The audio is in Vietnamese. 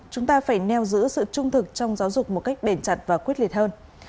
chúng ta phải neo giữ sự trung thực trong giáo dục một cách bền chặt và quyết liệt hơn